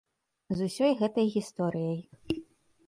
З усёй гэтай гісторыяй.